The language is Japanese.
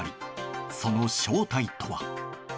その正体とは。